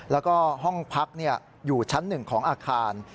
แล้วก็ห้องพักอยู่ชั้น๑ของอาคาร